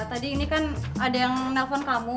tadi ini kan ada yang nelfon kamu